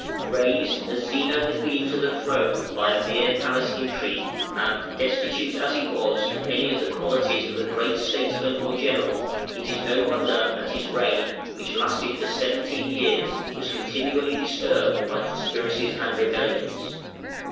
Raised as Zeno had been to the throne by a mere palace intrigue, and destitute as he was of any of the qualities of a great statesman or general, it is no wonder that his reign, which lasted for seventeen years, was continually disturbed by conspiracies and rebellions.